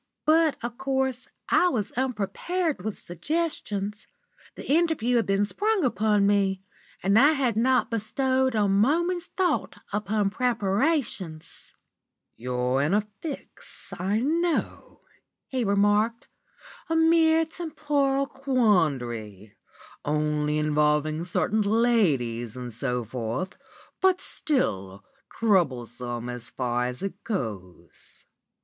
"But, of course, I was unprepared with suggestions. The interview had been sprung upon me, and I had not bestowed a moment's thought upon preparations. "'You're in a fix, I know,' he remarked, 'a mere temporal quandary, only involving certain ladies and so forth, but still troublesome so far as it goes.